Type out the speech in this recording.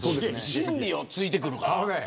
真理を突いてくるから。